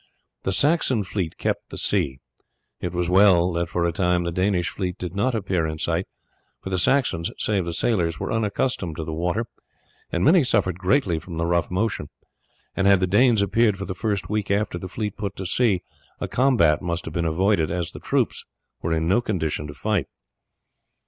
The Saxon fleet kept the sea. It was well that for a time the Danish fleet did not appear in sight, for the Saxons, save the sailors, were unaccustomed to the water, and many suffered greatly from the rough motion; and had the Danes appeared for the first week after the fleet put to sea a combat must have been avoided, as the troops were in no condition to fight.